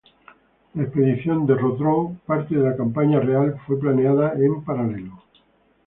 La expedición de Rotrou, parte de la campaña real, fue planeada en paralelo.